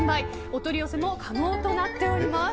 お取り寄せも可能となっております。